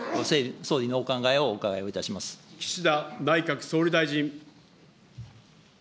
総理のお考えをお伺いをいたしま岸田内閣総理大臣。